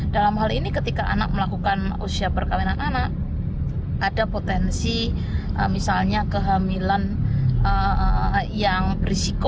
dalam hal ini ketika anak melakukan usia perkawinan anak ada potensi misalnya kehamilan yang berisiko